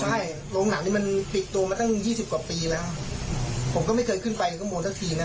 ใช่โรงหนังนี่มันปิดตัวมาตั้งยี่สิบกว่าปีแล้วผมก็ไม่เคยขึ้นไปข้างบนสักทีนะ